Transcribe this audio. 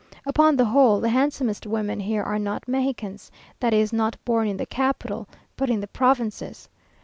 Upon the whole, the handsomest women here are not Mexicans, that is, not born in the capital, but in the provinces.